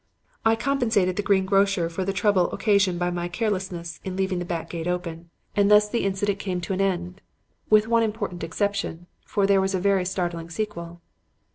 I compensated the green grocer for the trouble occasioned by my carelessness in leaving the back gate open; and thus the incident came to an end. With one important exception, for there was a very startling sequel.